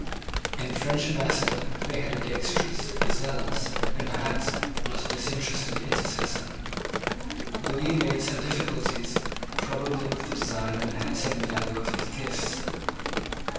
In the French ambassador they had a dexterous, a zealous, and perhaps, not a disinterested intercessor. Lewis made some difficulties, probably with the design of enhancing the value of his gifts.